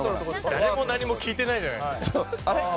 誰も何も聞いてない。